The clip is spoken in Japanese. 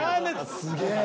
すげえ！